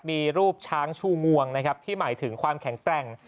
มีรูปช้างชูงวงนะครับที่หมายถึงความแข็งแกร่ง